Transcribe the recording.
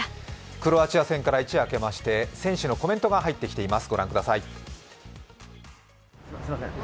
クロアチア戦から一夜明けまして選手のコメントが入ってきています。